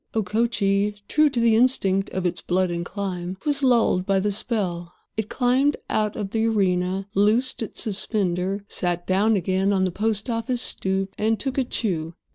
Okochee, true to the instinct of its blood and clime, was lulled by the spell. It climbed out of the arena, loosed its suspender, sat down again on the post office stoop, and took a chew.